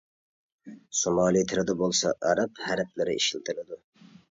سومالى تىلىدا بولسا ئەرەب ھەرپلىرى ئىشلىتىلىدۇ.